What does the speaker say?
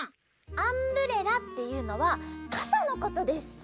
アンブレラっていうのはかさのことです。